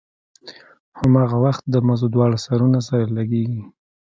هماغه وخت د مزو دواړه سرونه سره لګېږي.